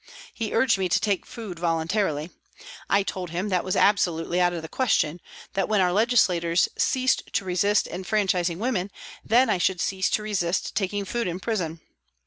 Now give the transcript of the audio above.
He urged me to take food voluntarily. I told him that was absolutely out of the question, that when our legislators ceased to resist enfranchising women then I should cease to resist taking food in prison.